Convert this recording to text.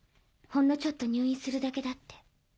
ほんのちょっと入院するだけだって。